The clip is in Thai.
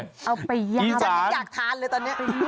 เอาไปยาวฉันยังอยากทานเลยตอนนี้